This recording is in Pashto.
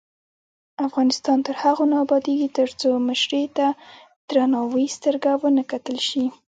افغانستان تر هغو نه ابادیږي، ترڅو مشرې ته د درناوي سترګه ونه کتل شي.